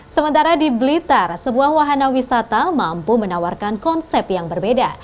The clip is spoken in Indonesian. sementara di blitar sebuah wahana wisata mampu menawarkan konsep yang berbeda